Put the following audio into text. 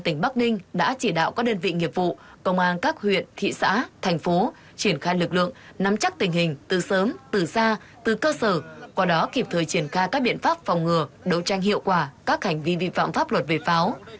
tỉnh bắc ninh đã chỉ đạo các đơn vị nghiệp vụ công an các huyện thị xã thành phố triển khai lực lượng nắm chắc tình hình từ sớm từ xa từ cơ sở qua đó kịp thời triển khai các biện pháp phòng ngừa đấu tranh hiệu quả các hành vi vi phạm pháp luật về pháo